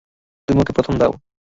তুমি ওকে প্রথমে দাও।